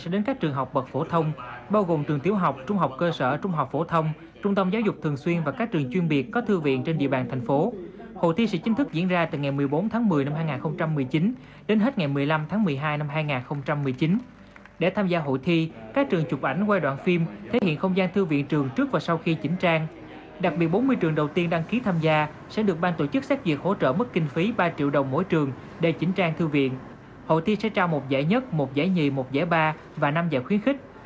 đầy chín trang thư viện hội thi sẽ trao một giải nhất một giải nhì một giải ba và năm giải khuyến khích